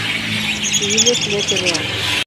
Civiles Ltda.